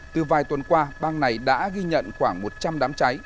từ vài tuần qua bang này đã ghi nhận khoảng một trăm linh đám cháy